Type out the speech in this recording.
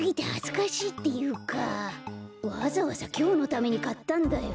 わざわざきょうのためにかったんだよ。